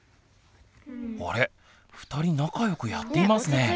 あれ２人仲良くやっていますねぇ。